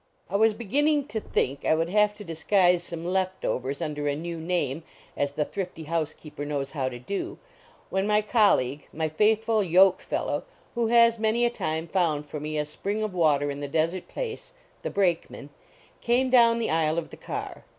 I was beginning to think I would have to disguise some " left overs "under a new name, as the thrifty house keeper knows how to do, when my colleague, my faithful yoke fellow, who has many a time found for me a spring of water in the desert place the Brakeman, came down the aisle of the car.